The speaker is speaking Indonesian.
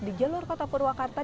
di jalur kota purwakarta